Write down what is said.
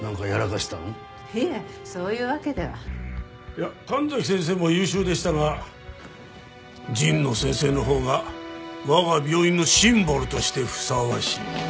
いや神崎先生も優秀でしたが神野先生のほうが我が病院のシンボルとしてふさわしい。